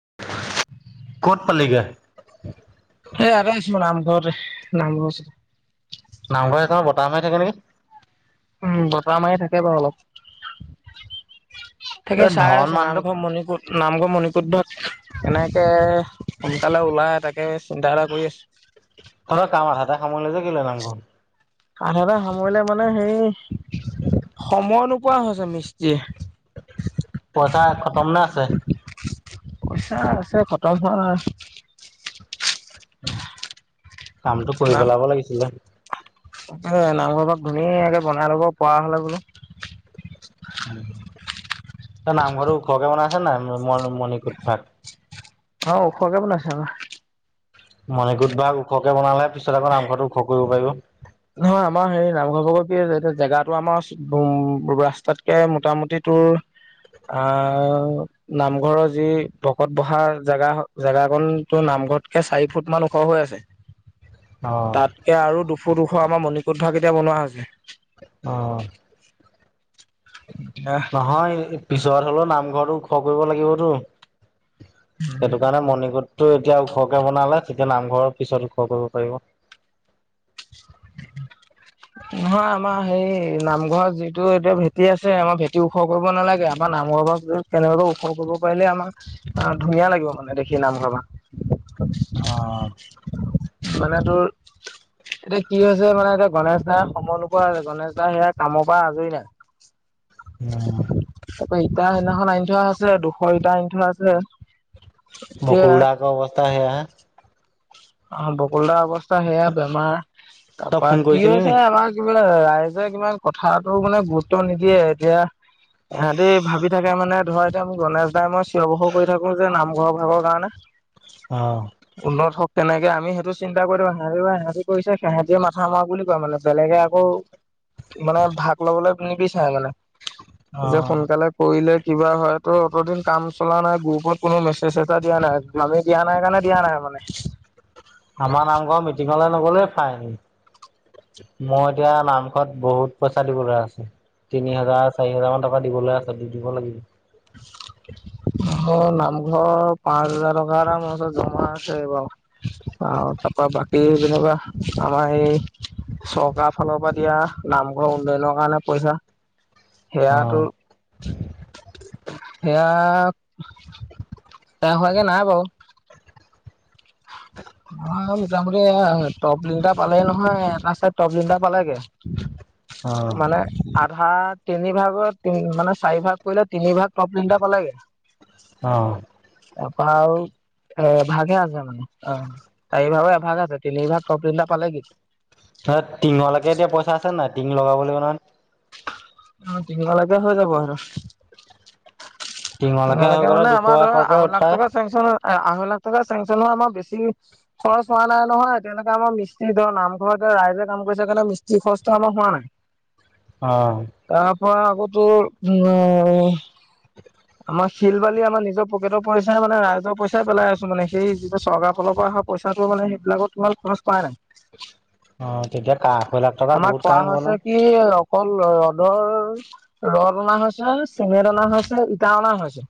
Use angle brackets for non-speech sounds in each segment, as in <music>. <unintelligible> ক'ত পালিগে? এ ইয়াতে <unintelligible> নামঘৰ <unintelligible> নামঘৰ একণত বতাহ মাৰি থাকে নেকি? উম, বতাহ মাৰি থাকে বাৰু অলপ। তাকে এ চাই ধন আছো মানুহটোক নামঘৰ মণিকূট নামঘৰ মণিকূটত এনেকে সোনকালে ওলাই তাকে চিন্তা এটা কৰি তহঁতৰ আছো। <unintelligible> যে গিলে নামঘৰ আধাতে সামৰিলে মানে হেই সময় নোপোৱা হৈছে মিস্ত্ৰীয়ে। পইচা খতম নে আছে? পইচা আছে, খতম হোৱা নাই। কামটো কৰি পেলাব লাগিছিলে। মোৰ নামঘৰবাক ধুনীয়াকে বনাই ল'ব পৰা হলে বোলো। তই নামঘৰটো ওখকে বনাইছ নে নাই ম মণিকূট ভাগ। অ, ওখকে বনাইছো। মণিকূট ভাগ ওখকে বনালে পিছত আকৌ নামঘৰটো ওখ কৰিব পাৰিব। নহয়, আমাৰ হেৰি নামঘৰ ভাগৰ কি <unintelligible> জেগাটো আমাৰ উম ৰাস্তাতকে মোটামুটি তোৰ আ, নামঘৰৰ যি ভকত বহা জেগা জেগাকণটো নাম মঘতকে চাৰি ফুট মান ওখ হৈ আছে। অ', তাতকে আৰু দুশ, দুশ আমাৰ মণি কোঠাকিটা বনোৱা হৈছে। অ। নহয় পিছত হ'লেও নামঘৰটো ওখ কৰিব লাগিবটো। সেইটো কাৰণে মণিকূটটো এতিয়া ওখকে বনালে। এতিয়া নামঘৰৰ পিছত ওখ কৰিব পাৰিব। <inaudible> নহয়, আমাৰ হেৰি নামঘৰৰ যিটো এতিয়া ভেঁটি আছে, আমাৰ ভেঁটি ওখ কৰিব নালাগে। আমাৰ নামঘৰ <unintelligible> কেনেবাকে ওখ কৰিব পাৰিলে আমাক আহ ধুনীয়া লাগিব মানে দেখি নামঘৰৰ পা। অ। মানে তোৰ <unintelligible> কি হৈছে মানে এতিয়া গণেশদাই সময় নোপোৱা হৈছে। গণেশদাই সেয়া কামৰ পৰা আজৰি নাই। উম। ইটা সেইদিনাখন আনি থোৱা আছে। দুশ ইটা আনি থোৱা আছে। এতিয়া মুকুলদা আক' অৱস্থা সেয়াহে। অ বকুলদা অৱস্থা সেয়া বেমাৰ। তই তাৰপা ফোন কি কৰিছিলি হৈছে নি? আমাৰ বোলে ৰাইজে কিমান কথাটো মানে গুৰুত্ব নিদিয়ে। এতিয়া সিহঁতি ভাবি থাকে মানে ধৰ এতিয়া মোৰ গণেশ দাই মই অৱসৰ কৰি থাকো যে নামঘৰ ভাগৰ কাৰণে, অ', উন্নত হ তেনেকে আমি সেইটো চিন্তা কৰি দিওঁ <unintelligible> কৰিছে সেহেতি মাথা মাৰক বুলি কয় মানে। বেলেগে আকৌ মানে ভাগ ল'বলে নিবিচাৰে মানে। নিজৰ অ'। সন্তানে কৰিলে কিবা হয় ত অতদিন কাম চলা নাই, গ্ৰুপত কোনো মেছেজ এটা দিয়া নাই। আমি দিয়া নাই কাৰণে দিয়া নাই। মানে। আমাৰ নামঘৰ মিটিঙলে নগলেই ফাইন। মই এতিয়া নামঘৰত বহুত পইচা দিব লগা হৈছে। তিনি হাজাৰ চাৰি হাজাৰ মান টকা দিবলৈ আছে দিব লাগিব। অ নামঘৰ পাঁচ হাজাৰ টকাৰ ম- জমা আছে বাৰু আৰু তাপা বাকী যেনিবা আমাৰ এই চৰকাৰৰ ফালৰ পৰা দিয়া নামঘৰ উন্নয়নৰ কাৰণে দিয়া পইচা অ সেয়াটো সেয়া এয়া হোৱাগে নাই বাৰু। আমাৰ কা- যামগে এয়া টপ লিনটা পালে নহয় এটা চাইত টপ লিনটা পালেগে। অ মানে আঠ ভা তিনি ভাগত মানে চাৰি ভাগ কৰিলে তিনি ভাগ টপ লিনটা পালেগে। অহ তাপা আও এভাগে আছে। অ চাৰিভাগৰ এভাগ আছে তিনিভাগ টপ লিনটা পালে গে। টিঙলৈকে এতিয়া পইচা আছে নাই টিঙ লগাব লাগিব নহয়। অ টিং লৈকে হৈ যাব হেনো। টিঙলৈকে হৈ তোমালোকে গ'লে মানে দুশ আমাৰ ধৰা এশকে আঢ় লাখ উঠাই টকা চেংচন হয়। আঢ়ৈ লাখ টকা চেংচন হোৱা আমাৰ বেছি খৰচ হোৱা নাই নহয়। এতিয়ালৈকে আমাৰ মিস্ত্ৰী ধ নামঘৰত ৰাইজে কাম কৰিছে কাৰণে মিস্ত্ৰী খৰচটো আমাৰ হোৱা নাই। অহ। মই আক তোৰ আমাৰ শিল বালি আমাৰ নিজৰ পকেটৰ পইচাই মানে ৰাইজৰ পইচাই পেলাই আছো মানে সেই যিটো চৰকাৰৰ ফালৰ পৰা অহা প- পইচাটো মানে সেইবিলাক তোমাৰ খৰচ কৰাই নাই। অ তেতিয়া কা আঢ়ৈ লাখ টকাত আমাক বহুত কাম কোৱা হ'ব হৈছে নহয় কি অক- অকল ৰ'দৰ ৰ'দ অনা হৈছে চিমেণ্ট অনা হৈছে। তাৰ অনা হৈছে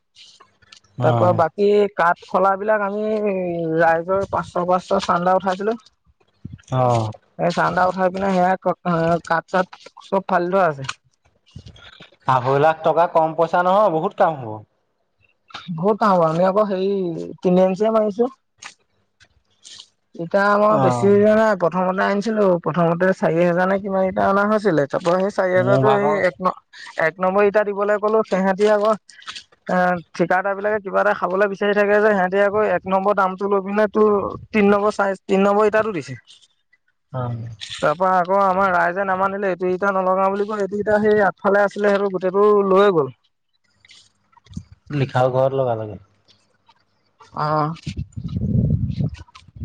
অ তাপা বাকী কাঠ ফলা বিলাক আমি ৰাইজৰ পাঁচশ পাঁচশ চান্দা উঠাইছিলো। অহ। হয় পিনে সেয়া কাঠ চাথ চব ফালি থোৱা আছে আঢ়ৈ লাখ টকা কম পইচা নহয় বহুত কাম হ'ব। আমি আকৌ সেই তিনি ইঞ্চেহে মাৰিছোঁ। ইটা মই অ বেছি নাই প্ৰথমতে আনিছিলো প্ৰথমতে চাৰি হাজাৰ নে কিমান ইটা অনা হৈছিলে। তাপা সেই চাৰি মোৰ হাজাৰতো সেই ভাগৰ এক ন, এক নম্বৰ ইটা দিবলৈ ক'লো তেহেতি আক এ ঠিকাদাৰ বিলাকে কিবা এটা খাবলৈ বিচাৰি থাকে যে সিহঁতি আকৌ এক নম্বৰ দামটো লৈ পিনে তোৰ তিনি নম্বৰ চাই তিন নম্বৰ ইটাটো দিছে। অহ। তাৰপৰা আকৌ আমাৰ ৰাইজে নামানিলে এইটো ইটা নলগাও বুলি কৈ এইটো ইটা সেই আগফালে আছিলে সেইটো গোটেইটো লৈয়ে গ'ল। <inaudible> লিখাও ঘৰত লগা লগালেগে। অহ।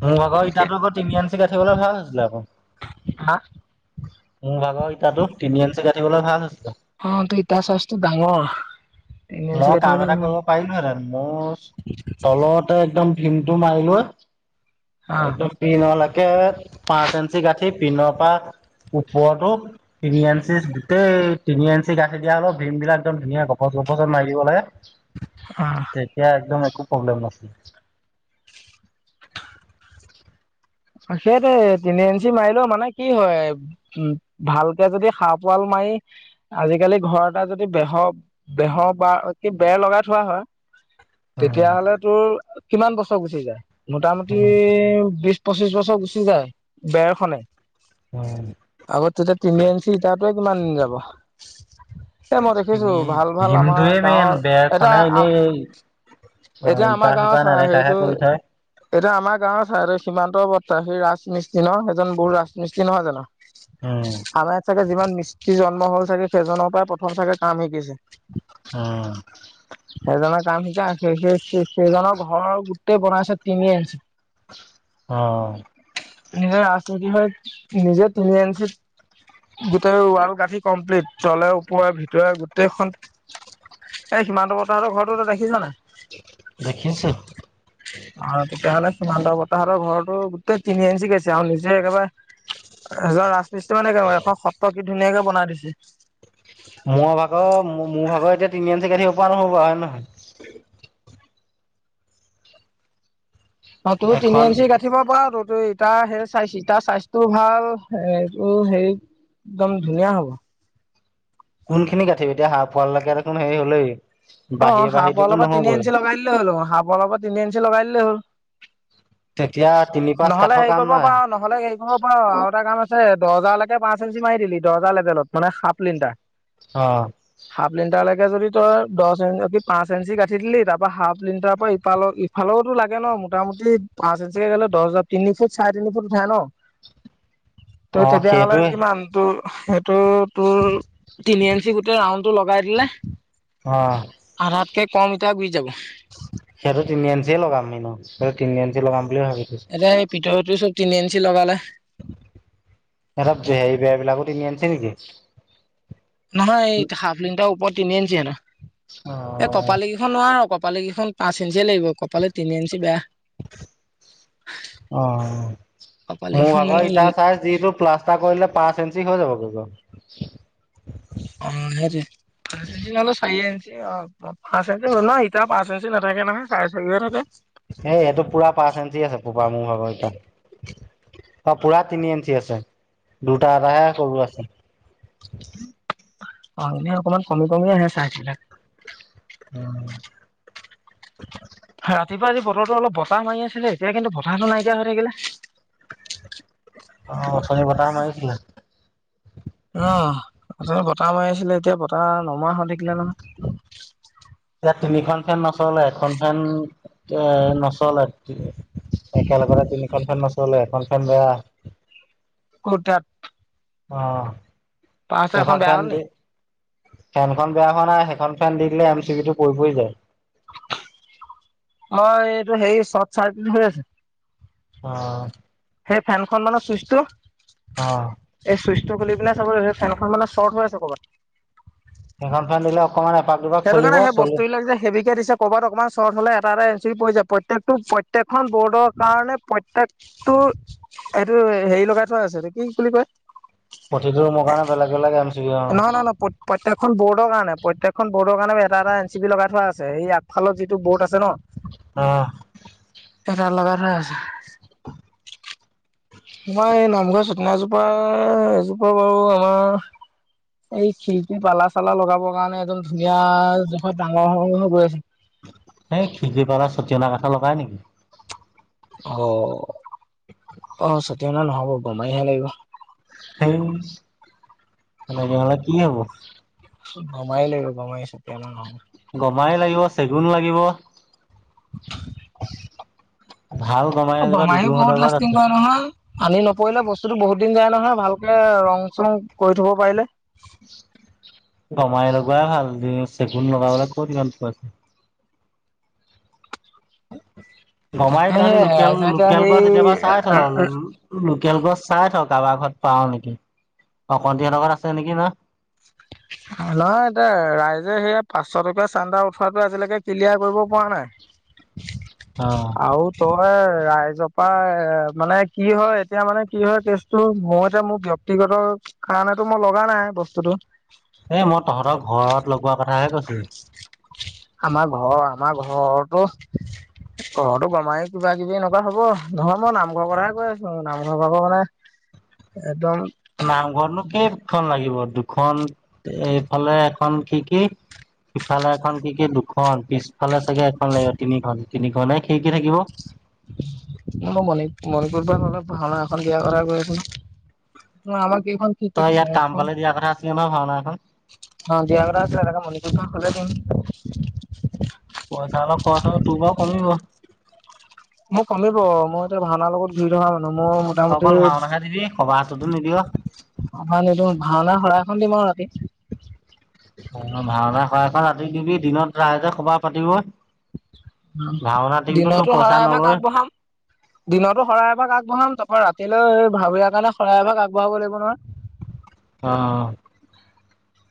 মোৰ ভাগৰ ইটাতো আকৌ তিনি আঞ্চি গাঠিবলৈ ভাল হৈছিলে আক। হা। মোৰ ভাগৰ ইটাতো তিনি আঞ্চি দিবলৈ ভাল হৈছিলে। অ তোৰ ইটা চাইচটো ডাঙৰ। তিনি ইঞ্চি মই কাম গাঁঠিবলৈ এটা ইমান কৰিব পাৰিলোহেঁতেন মোৰ তলতে একদম ভিমটো মাৰি লোৱা অ', একদম টিনলৈকে পাঁচ এঞ্চি গাঁঠিত টিন পা ওপৰতো তিনি ইঞ্চি, গোটেই তিনি ইঞ্চি গাঠি দিয়া অলপ ভীম বিলাক একদম ধুনীয়া গপ গপচত মাৰি দিব লাগে অ', তেতিয়া একদম একো প্ৰব্লেম নহয় সেইটোৱেই তিনি ইঞ্চি মাৰিলেও মানে কি হয়, উম ভালকে যদি হাফ ৱাল মাৰি আজিকালি ঘৰ এটা যদি বেহৰ -বেহৰ বা কি বেৰ লগাই থোৱা হয় উম, তেতিয়াহলে তোৰ কিমান বছৰ গুচি যায়, মোটামুটি উম, বিশ পঁচিশ বছৰ গুচি যায় বেৰ খনে, উম। আগত তেতিয়া তিনি ইঞ্চি ইটাত কিমান দিন যাব? এ মই দেখিছো তিনি ভাল -ভাল আমাৰ ভীমটোৱে মেইন গাঁৱৰ এটা বেৰখনে এনেই অ' এতিয়া আমাৰ ইপাৰ গাঁৱত সিপাৰ চ নেদেখাহে হেৰিতটো কৰি থয়। এতিয়া আমাৰ গাঁৱৰ ছাই সীমান্ত বৰ্তা সেই ৰাজমিস্ত্ৰী ন, এজন বৰো ৰাজমিস্ত্ৰী নহয় জানো। উম, আমাৰ ইয়াত চাগে যিমান মিস্ত্ৰী জন্ম হ'ল চাগে সেইজনৰ পৰা প্ৰথম চাগে কাম শিকিছে উম, সেইজনৰ কাম শিকা সেই সেই সেইজনৰ ঘৰ গোটেই বনাইছে তিনি ইঞ্চি অ। নিজে ৰাজমিস্ত্ৰী হয় নিজে তিনি ইঞ্চিত গোটেই ৱাল গাঠি কমপ্লিট তলে ওপৰে ভিতৰে গোটেইখন এ সিমান্ত বৰ্তা হতৰ ঘৰটো তই দেখিছ নাই? দেখিছো আৰু তেতিয়াহ'লে সিমান্ত বৰ্তা হতৰ ঘৰটো গোটেই তিনি ইঞ্চি গেছে আৰু নিজে একেবাৰে এজন ৰাজমিস্ত্ৰী মানে কেনেকুৱা এখন সত্ৰ কি ধুনীয়াকে বনাই দিছে মোৰ ভাগৰ মোৰ ভাগৰ এতিয়া <unintelligible> হয় নহয় অ তোৰ তিনি এখন ইঞ্চি গাঠিব পৰা টো এইটো ইতাৰ সে ইতাৰ চাইজটোও ভাল এইটো হেৰি একদম ধুনীয়া হ'ব। কোন খিনি গাঠিবি এতিয়া হাফ ৱাললৈকে দেখোন হেৰি হ'লই অ হাফৱালৰ পৰা তিনি ইঞ্চি লগাই দিলেই হ'ল, হাফৱালৰ পৰা তিনি ইঞ্চি লগাই দিলেই হ'ল। তেতিয়া তিনি পাঁচ নহলে কাঠৰ হেৰি কাম কৰিব নাই পাৰ নহলে হেৰি কৰিব পাৰ। এটা কাম আছে দহজালৈকে পাচ এনঞ্চি মাৰি দিলি দৰ্জা লেভেলত মানে সাফ লিণ্টাৰ। অ হাফ লিণ্টাৰ লকে যদি তই দশ ই কি পাঁচ ইঞ্চি গাঠি দিলি তাৰ পৰা হাফ লিণ্টাৰৰ পৰা ইফালৰ ইফালৰতো লাগে ন মোটামুটি পাঁচ ইঞ্চিকে গলে দহ হাজাৰ তিনি ফুট চাৰে তিনি ফুট উঠায় ন অ তই তেতিয়াহ'লে সেইটোৱে কিমান তোৰ সেইটো তোৰ তিনি ইঞ্চি গোটেই ৰাউণ্ড টো লগাই দিলে। অ। তাতকৈ কম ইটা গুচি যাব। সেইটো তিনি আঞ্চিয়ে লগাম এনো সেইটো তিনি আঞ্চি লগাম বুলি ভাবিছোঁ এইটো চব তিনি ইঞ্চি লগালে তহঁতক হেৰি বেৰ বিলাকও তিনি ইঞ্চি নেকি। নহয় এই হাফ লিণ্টাৰ ওপৰত তিনি ইঞ্চি হেনো অ এই কপালি কেইখন নোৱাৰ ক কপালি কেইখন পাঁচ ইঞ্চিয়ে লাগিব কপালি তিনি ইঞ্চি বেয়া অঁ। কপালি মোৰ কেইখন ভাগৰ মানে ইটাৰ চাইজ যিটো প্লাষ্টাৰ কৰিলে পাঁচ ইঞ্চি হৈ যাবগৈ। অ সেইটোৱে, পাঁচ ইঞ্চি নহলে চাৰি ইঞ্চি পাঁচ ইঞ্চি ন, ইটা পাঁচ ইঞ্চি নাথাকে নহয় চাৰে চাৰিহে থাকে। এই এইটো পুৰা পাঁচ ইঞ্চি আছে পোপা মোৰ ভাগৰ ইটা অ, পুৰা তিনি ইঞ্চি আছে দুটা এটাহে সৰু আছে উম <inaudible> অ এনেই অকমান কমি কমি আহে চাইট বিলাক উম। ৰাতিপুৱা আজি বতৰতো অলপ বতাহ মাৰি আছিলে এতিয়া কিন্তু বতাহটো নাইকিয়া হৈ থাকিলে অ, উঠনি বতাহ মাৰিছিলে অ অথনি বতাহ মাৰি আছিলে এতিয়া বতাহ নমোৱা হৈ থাকিলে নহয়। ইয়াত তিনিখন ফেন নচলে এখন ফেন এ নচলে আৰু একেলগতে তিনিখন খন নচলে এখন ফেন বেয়া। ক'ত তাত অ'। সেইখন পালচাৰখন বেয়া ফেন হ'ল নি? ফেনখন বেয়া হোৱা নাই সেইখন ফেন দি দিলে এম চি বি টো পৰি পৰি যায়। মই এইটো হেৰি চৰ্ট চাৰ্কিট হৈ আছে। অ'। সেই ফেনখন মানে চুইছটো অ'। <unintelligible> খুলিপেলাই চাব ফেন খন মানে চৰ্ট হৈ আছে কৰ'বাত। সেইখন ফেন দিলে অকমান এপাক দুপাক সেইটো চলিব কাৰণে সেই চলি বস্তুবিলাক যে হেবিকে দিছে কৰবাত অকমান শ্বৰ্ট হলে তাতে <inaudible> প্ৰত্যেক বৰ্ডৰ কাৰণে প্ৰত্যেকটো এইটো হেৰি লগাই থোৱা আছে কি বুলি কয় প্ৰতিটো ৰুমৰ কাৰণে বেলেগ বেলেগ এম চি বি অ নহয়-নহয় প্ৰত্যেক এখন বৰ্ডৰ কাৰণে প্ৰত্যেকখন বৰ্ডৰ কাৰণে এটা এটা এম চি বি লগাই থোৱা আছে সেই আগফালত যিটো বৰ্ড আছে ন উম। <unintelligible> লগায় থোৱা আছে। আমাৰ এই নামঘৰ <unintelligible> এজোপা, এজোপা বাৰু আমাৰ এই খিৰিকীৰ পালা চালা লগাবৰ কাৰণে একদম ধুনীয়া জোখত ডাঙৰ হৈ হৈ গৈ আছে। সেই খিৰিকী <unintelligible> লগাই নেকি। অ', অ' <unintelligible> নহ'ব গমাইহে লাগিব। সেই মানে <unintelligible> কি হব। গমাই লবি গমাই <unintelligible> নহয়। <unintelligible> লাগিব চেগুন লাগিব। <unintelligible> গমাৰি এজোপা <unintelligible> বহুত দুদুহঁতৰ ঘৰত লাষ্টিং আছে। কৰে নহয়। পানী নপৰিলে বস্তুটো বহুত দিন যায় নহয় ভালকে ৰং চং কৰি থব পাৰিলে। গমাই লগোৱাই ভাল <unintelligible> চেগুন লগাব ক'ত ইমান পইচা। <unintelligible> তাকেহে তহঁতি লোকেল ৰাইজে এতিয়া লোকেল সেই গছ এতিয়াৰ পাই লোকেল গছ চাই থ। কাৰোবাৰ ঘৰত পাও নেকি অকন্তি হঁতৰ ঘৰত আছে নেকি ন? <inaudible> নহয় এতিয়া ৰাইজে সেয়া পাঁচশ টকীয়া চান্দা উঠোৱাটো আজিলৈকে ক্লিয়াৰ কৰিব পৰা অ নাই। আৰু ত' মই ৰাইজৰ পৰা মানে কি হয় এতিয়া মানে কি হয় কেছটো মোৰ এতিয়া মোৰ ব্যক্তি সিহতৰ কাৰণেতো মই লগা নাই বস্তুটো। এ' মই তহঁতৰ ঘৰত লগোৱা কথাহে কৈছো। আমাৰ ঘৰ আমাৰ ঘৰতো ঘৰতো গমাই কিবা কিবি এনেকুৱা হব নহয় মই নামঘৰৰ কথাহে কৈ আছো নামঘৰ ভাগৰ মানে একদম নামঘৰতনো কেইখন লাগিব দুখন এইফালে এখন খিৰিকি। সিফালে এখন খিৰিকী দুখন পিছফালে চাগে এখন লাগিব তিনিখন তিনিখনেহে খিৰিকী থাকিব। মই মণি মণিপুৰ পৰা অলপ ভাওনা এখন দিয়া কথা কৈ আছো ন। ন আমাক কেইখন খিৰিকী তই ইয়াত দিছে কাম এখন পালে অ', দিয়া কথা আছিলে নহয় ভাওনা এখন দিয়া কথা আছিলে তাকে <unintelligible> হলে দিম। পইছা অলপ খৰচ হব তোৰ বাৰু কমিব। মোক কমিব মই এতিয়া ভাওনাৰ লগত ঘূৰি থকা মোৰ তই মোটামুটি <unintelligible> অকল হয়। ভাওনাহে দিবি সবাহটোতো নিদিয় <unintelligible> ব ৰাতি ভাওনা <unintelligible> ৰাতি দিবি দিনত ৰাইজে সবা পাতিব। ভাওনা টিমটো তোৰ দিনততো পইচা শৰাই এভাগ নলয় আগবঢ়াম, দিনততো শৰাই এভাগ আগবঢ়াম ত অ ৰাতিলৈ ভাৱৰিয়াৰ কাৰণে শৰাই এভাগ আগবঢ়াব লাগিব নহয়। অ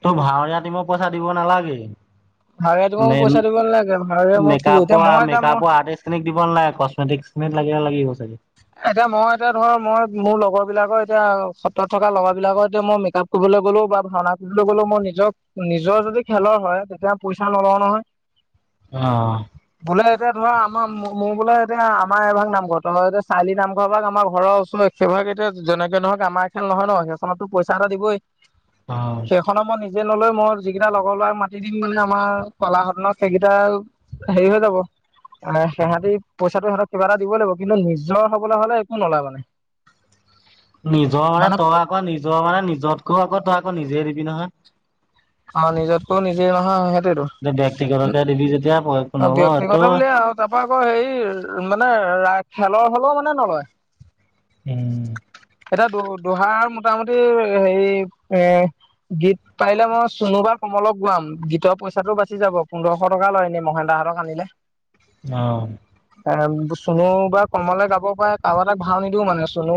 তোৰ ভাৱৰীয়াতিমক পইচা দিব নালাগে। <inaudible> মে মোক পইচা দিব নালাগে ভাৱৰীয়া মই ফ্ৰী মেকআপ এতিয়া মই এতিয়া মই মেকআপৰ আৰ্টিষ্ট খিনিক দিব নালাগে কচমেটিক নেট লাগিয়া লাগি গজ এতিয়া মই এতিয়া ধৰ মই মোৰ লগৰ বিলাকৰ এতিয়া সত্ৰত থকা লগৰ বিলাকৰতে মই মেকআপ কৰিবলৈ গ'লো বা ভাওনা কৰিবলৈ গলো মই নিজক নিজৰ যদি খেলৰ হয় তেতিয়া পইচা নলও নহয় অ বোলে এতিয়া ধৰা আমাৰ মোৰ বোলে এতিয়া আমাৰ এভাগ নামঘৰ তহঁতেচ চাৰ্লি নামঘৰ ভাগ আমাৰ ঘৰৰ ওচৰত সেইভাগ এতিয়া যেনেকে নহক আমাৰ খেল নহয় ন সেইখনত পইচা এটা দিবই। অ সেইখন মই নিজ- যে নলয় মই যিকেইটা লগৰ লৰা মাতি দিম মানে আমাৰ কলাসদনত সেইকেইটা হেৰি হৈ যাব। মানে সিহঁতি পইচাটো সিহঁতক কিবা এটা দিবই লাগিব কিন্তু নিজৰ হবলৈ হলে একো নলয় মানে। নিজৰ মানে তই আকৌ নিজৰ মানে নিজতকৈ আকৌ তই আকৌ নিজে দিবি নহয়। অ নিজতকৈ নিজে নহয় স- দেক্তি কতকে দিলি যেতিয়া কয়। অ ব্যক্তিগত বুলি আও তাৰ পৰা আকৌ হেৰি মানে ৰাস খেলৰ হলেও মানে নলয়, উম এতিয়া দ দোহাৰ মোটামুটি হেৰি এ গীত পাৰিলে মই চুনু বা কোমলক গোৱাম গীতৰ পৰা পইচা টো বাচি যাব পোন্ধৰশ টকা লয় এনে মহেন্দাহতক আনিলে। অহ। এ চুনু বা কলমলে গাব পাৰে কা বা এটা ভাও নিদিও মানে চুনু